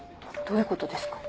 どういうことですか？